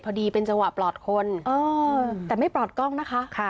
พอดีเป็นจังหวะปลอดคนแต่ไม่ปลอดกล้องนะคะ